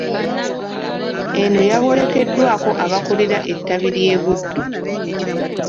Eno yawerekeddwako abakulira ettabi ly'eBuddu.